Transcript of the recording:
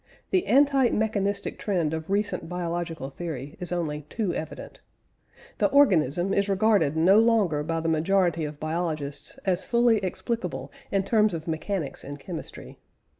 The anti mechanistic trend of recent biological theory is only too evident. The organism is regarded no longer by the majority of biologists as fully explicable in terms of mechanics and chemistry.